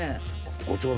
ご長男